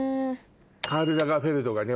カール・ラガーフェルドがね